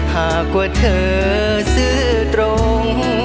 หากว่าเธอซื้อตรง